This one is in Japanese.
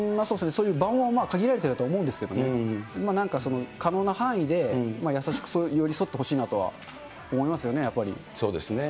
そういう場も限られていると思うんですけれどもね、可能な範囲で優しく寄り添ってほしいなとは思いますよね、やっぱそうですね。